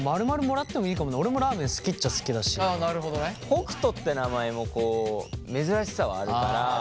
北斗って名前も珍しさはあるから。